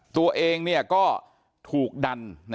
ตัวเองเนี่ยก็ถูกดัน